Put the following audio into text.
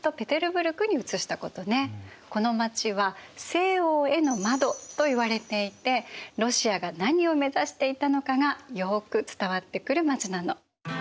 この街は西欧への窓といわれていてロシアが何を目指していたのかがよく伝わってくる街なの。